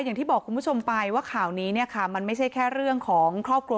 อย่างที่บอกคุณผู้ชมไปว่าข่าวนี้เนี่ยค่ะมันไม่ใช่แค่เรื่องของครอบครัว